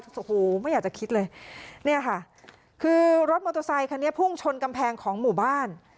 โอ้โหไม่อยากจะคิดเลยเนี่ยค่ะคือรถมอเตอร์ไซคันนี้พุ่งชนกำแพงของหมู่บ้าน